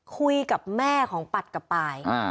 คุยกับแม่ของปัดกับปาย